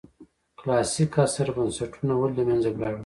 کلاسیک عصر بنسټونه ولې له منځه لاړل.